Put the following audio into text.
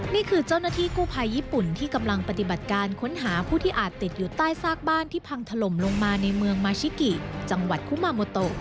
นี่คือเจ้าหน้าที่กู้ภัยญี่ปุ่นที่กำลังปฏิบัติการค้นหาผู้ที่อาจติดอยู่ใต้ซากบ้านที่พังถล่มลงมาในเมืองมาชิกิจังหวัดคุมาโมโต